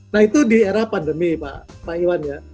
nah itu di era pandemi pak iwan ya